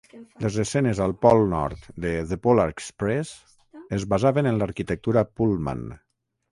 Les escenes al Pol Nord de "The Polar Express" es basaven en l'arquitectura Pullman.